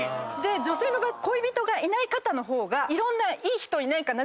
女性の場合恋人がいない方の方がいい人いないかな？